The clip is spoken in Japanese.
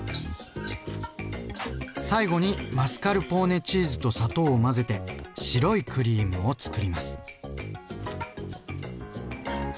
最後にマスカルポーネチーズと砂糖を混ぜて「白いクリーム」をつくります。